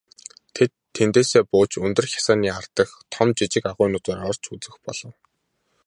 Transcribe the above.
Тэд тэндээсээ бууж өндөр хясааны ар дахь том жижиг агуйнуудаар орж үзэх болов.